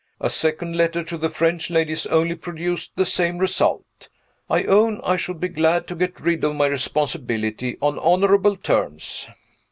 A second letter to the French ladies only produced the same result. I own I should be glad to get rid of my responsibility on honorable terms."